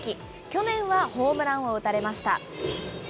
去年はホームランを打たれました。